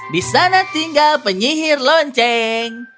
di sana tinggal penyihir lonceng